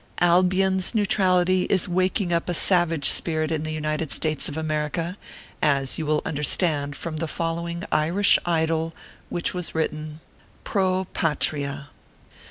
Albion s neutrality is waking up a savage spirit in the United States of America, as you will un derstand from the following Irish Idle which was written 150 ORPHEUS C. KERB PAPERS. PRO PAT RIA.